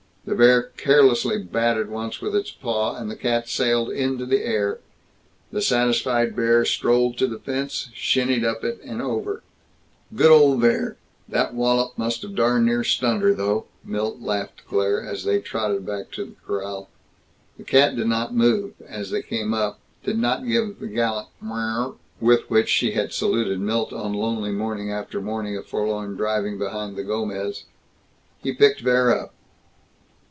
The bear carelessly batted once with its paw, and the cat sailed into the air. The satisfied bear strolled to the fence, shinned up it and over. "Good old Vere! That wallop must of darn near stunned her, though!" Milt laughed to Claire, as they trotted back into the corral. The cat did not move, as they came up; did not give the gallant "Mrwr" with which she had saluted Milt on lonely morning after morning of forlorn driving behind the Gomez. He picked Vere up.